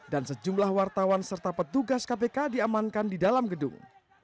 dan sejumlah wartawan serta petugas kpk diamankan di dalam gedung